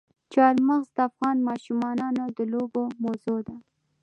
چار مغز د افغان ماشومانو د لوبو موضوع ده.